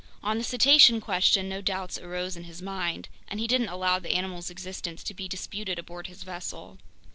On the cetacean question no doubts arose in his mind, and he didn't allow the animal's existence to be disputed aboard his vessel.